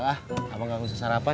ah abang gak usah sarapan